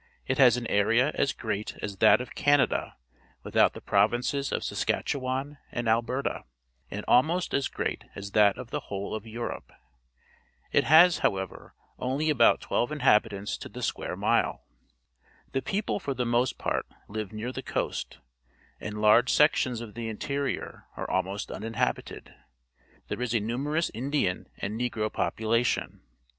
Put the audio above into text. It has an area as great as that of Canada without the provinces of Sas katchewan and Alberta, and almost as great as that of the whole of Europe. It has, however, only about twelve inhabitants to the square mile. The people for the most part live near the coast, and large sections of the interior are almost unin habited. There is a numerous Indian and Negro population.